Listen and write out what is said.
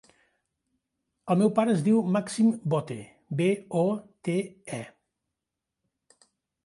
El meu pare es diu Màxim Bote: be, o, te, e.